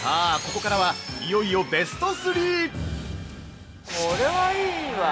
ここからはいよいよベスト３！